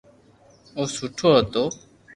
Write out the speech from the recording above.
او سٺو ھتو